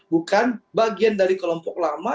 bukan bagian dari kelompok lama